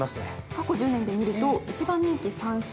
過去１０年で見ると１番人気３勝。